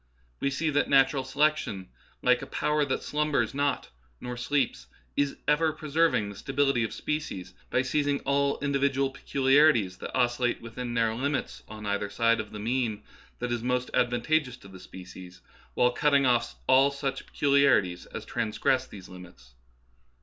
We see that natural selection, like a power that slumbers not nor sleeps, is ever preserving the stability of spe cies by seizing all individual peculiarities that os cillate within narrow limits on either side of the mean that is most advantageous to the species, while cutting off all such peculiarities as trans gress these limits.